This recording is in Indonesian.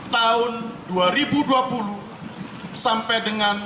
terdejdck secara tabung meng watching